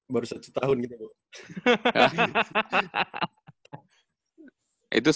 baru satu tahun gitu